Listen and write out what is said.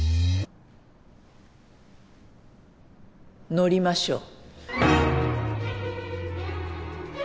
乗りましょう。